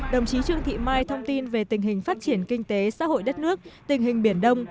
đồng chí trương thị mai thông tin về tình hình phát triển kinh tế xã hội đất nước tình hình biển đông